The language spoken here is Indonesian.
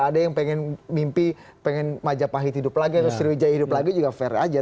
ada yang pengen mimpi pengen majapahit hidup lagi atau sriwijaya hidup lagi juga fair aja